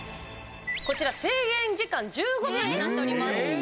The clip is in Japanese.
こちら制限時間１５秒になっております。